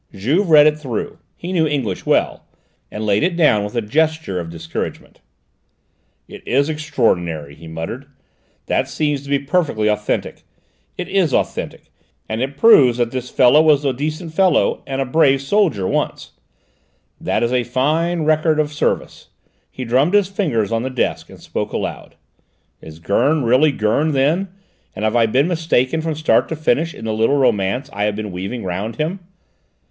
Juve read it through he knew English well and laid it down with a gesture of discouragement. "It is extraordinary," he muttered. "That seems to be perfectly authentic; it is authentic, and it proves that this fellow was a decent fellow and a brave soldier once; that is a fine record of service." He drummed his fingers on the desk and spoke aloud. "Is Gurn really Gurn, then, and have I been mistaken from start to finish in the little romance I have been weaving round him?